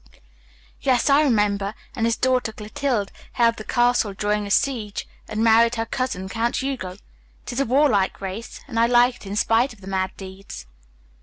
"Yes, I remember, and his daughter Clotilde held the castle during a siege, and married her cousin, Count Hugo. 'Tis a warlike race, and I like it in spite of the mad deeds."